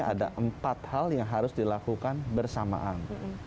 ada empat hal yang harus dilakukan bersamaan